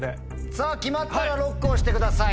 さぁ決まったらＬＯＣＫを押してください。